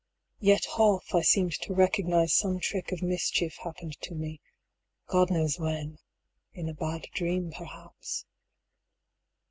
Yet half I seemed to recognize some trick Of mischief happened to me, God knows when 170 In a bad dream perhaps.